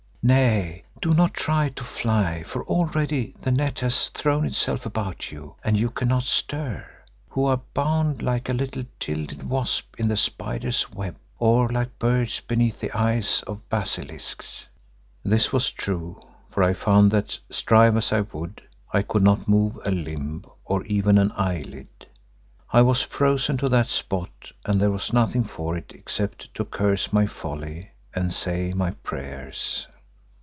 Nay, do not try to fly, for already the net has thrown itself about you and you cannot stir, who are bound like a little gilded wasp in the spider's web, or like birds beneath the eyes of basilisks." This was true, for I found that, strive as I would, I could not move a limb or even an eyelid. I was frozen to that spot and there was nothing for it except to curse my folly and say my prayers.